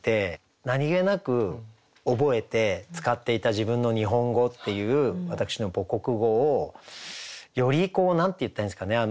何気なく覚えて使っていた自分の日本語っていう私の母国語をよりこう何て言ったらいいんですかね